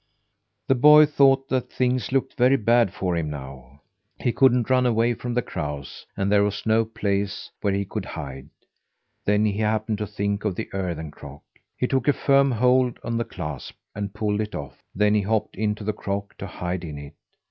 The boy thought that things looked very bad for him now. He couldn't run away from the crows, and there was no place where he could hide. Then he happened to think of the earthen crock. He took a firm hold on the clasp, and pulled it off. Then he hopped into the crock to hide in it.